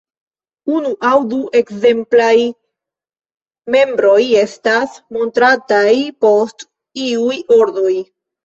Unu aŭ du ekzemplaj membroj estas montrataj post iuj ordoj.